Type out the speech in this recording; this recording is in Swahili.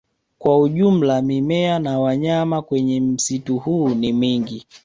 Kwa ujumla mimea na wanyama kwenye msitu huu ni mingi